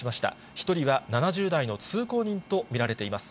１人は７０代の通行人と見られています。